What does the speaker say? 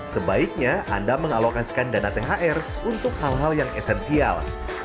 sebaiknya anda mengalokasikan dana thr untuk hal hal yang esensial